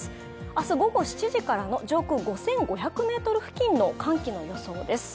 明日午後７時からの上空５５００ｍ付近の寒気の予想です。